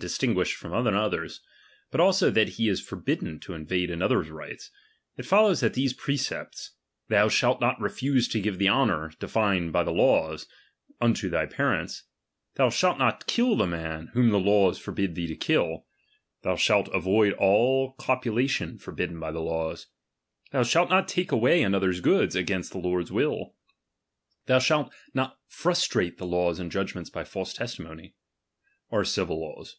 •^istinsTiished from another's, and also that he is""^'^™'f^"' *^<^rbidden to invade another's rights ; it follows faise^wimesses. *^Viat these precepts : Thou shalt not re/use to give " *^e honour defined by the laws, unto thy parents : fhou shalt not kill the man, whom the laws forbid thee to kill : Thou shalt avoid all copulation for fiidden by the laws : Thou shalt not take away anoiker^s goods, against the tardus will Thou shalt not frustrate the laws and judgments by false testimony : are civil laws.